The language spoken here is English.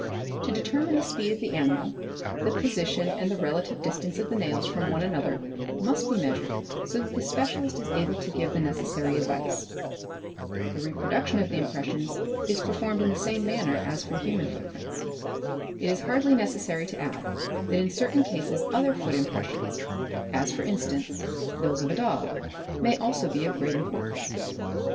To determine the speed of the animal, the position and the relative distance of the nails from one another must be measured so that the specialist is able to give he necessary advice. The reproduction of the impressions is performed ee Tein pees = 1 1 the same manner as for human footprints. It is hardly necessary to d that in certain cases other foot impressions, as for instance those of dog, may also be of great importance.